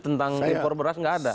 tentang impor beras nggak ada